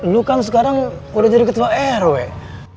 lu kan sekarang udah jadi ketua r weh